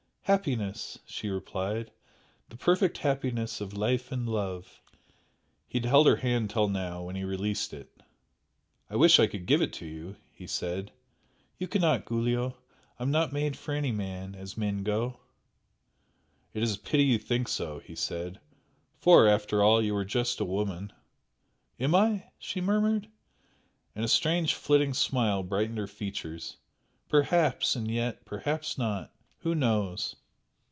"Happiness!" she replied "The perfect happiness of life in love!" He had held her hand till now, when he released it. "I wish I could give it to you!" he said. "You cannot, Giulio! I am not made for any man as men go!" "It is a pity you think so" he said "For after all you are just a woman!" "Am I?" she murmured, and a strange flitting smile brightened her features "Perhaps! and yet perhaps not! Who knows!"